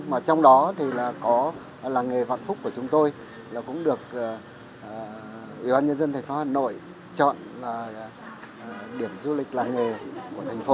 mà trong đó thì là có làng nghề vạn phúc của chúng tôi là cũng được ủy ban nhân dân thành phố hà nội chọn là điểm du lịch làng nghề của thành phố